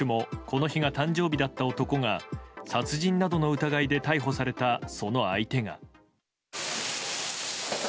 この日が誕生日だった男が殺人などの疑いで逮捕されたその相手が。